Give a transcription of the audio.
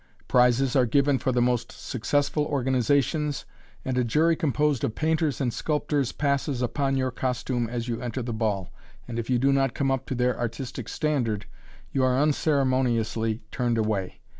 Prizes are given for the most successful organizations, and a jury composed of painters and sculptors passes upon your costume as you enter the ball, and if you do not come up to their artistic standard you are unceremoniously turned away.